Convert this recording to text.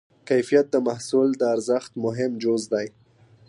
کیفیت د محصول د ارزښت مهم جز دی.